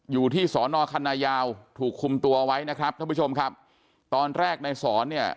อยู่ที่สอนอคันนายาวถูกคุมตัวไว้นะครับท่านผู้ชมครับตอนแรกในสอนเนี่ย